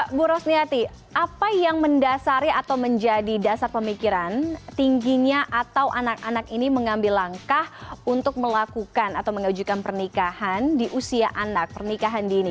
ibu rosniati apa yang mendasari atau menjadi dasar pemikiran tingginya atau anak anak ini mengambil langkah untuk melakukan atau mengajukan pernikahan di usia anak pernikahan dini